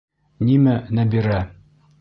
Нимә Нәбирә?